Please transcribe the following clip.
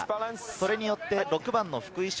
これによって、６番の福井翔